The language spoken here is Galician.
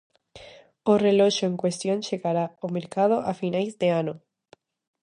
O reloxo en cuestión chegará ao mercado a finais de ano.